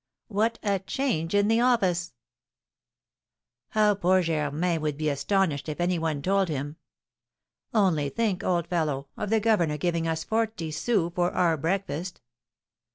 "What a change in the office!" "How poor Germain would be astonished if any one told him, 'Only think, old fellow, of the governor giving us forty sous for our breakfast.'